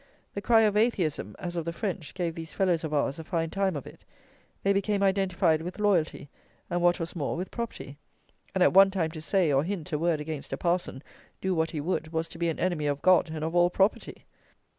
The cry of Atheism, as of the French, gave these fellows of ours a fine time of it: they became identified with loyalty, and what was more, with property; and at one time, to say, or hint, a word against a parson, do what he would, was to be an enemy of God and of all property!